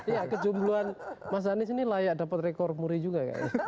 iya kejumlahan mas anies ini layak dapat rekor muri juga